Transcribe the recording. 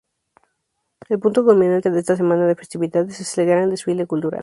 El punto culminante de esta semana de festividades es el gran desfile cultural.